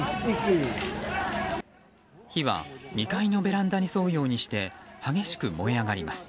火は２階のベランダに沿うようにして激しく燃え上がります。